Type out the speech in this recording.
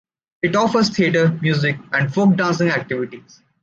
It offers theater, music and folk dancing activities.